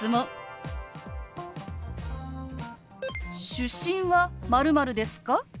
出身は○○ですか？